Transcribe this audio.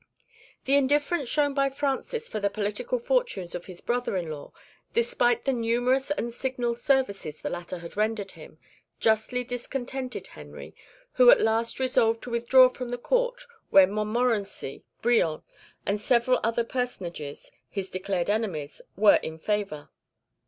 (1) The indifference shown by Francis for the political fortunes of his brother in law, despite the numerous and signal services the latter had rendered him, justly discontented Henry, who at last resolved to withdraw from the Court, where Montmorency, Brion, and several other personages, his declared enemies, were in favour.